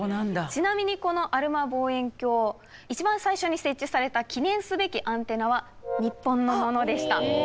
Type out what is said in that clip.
ちなみにこのアルマ望遠鏡一番最初に設置された記念すべきアンテナは日本のものでした。